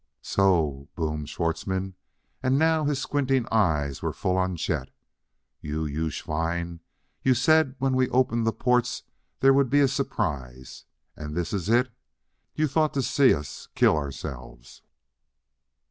"So!" boomed Schwartzmann, and now his squinting eyes were full on Chet. "You you schwein! You said when we opened the ports there would be a surprise! Und this iss it! You thought to see us kill ourselves!